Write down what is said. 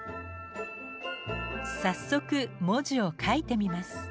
早速文字を書いてみます。